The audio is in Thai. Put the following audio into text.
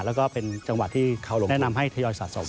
แล้วก็เป็นจังหวัดที่เขาแนะนำให้ทยอยสะสม